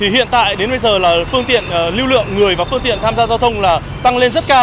hiện tại đến bây giờ là phương tiện lưu lượng người và phương tiện tham gia giao thông tăng lên rất cao